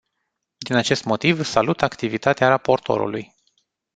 Din acest motiv, salut activitatea raportorului.